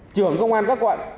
trưởng công an các quận